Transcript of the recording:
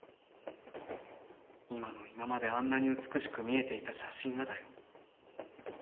今の今まであんなに美しく見えていた写真がだよ。――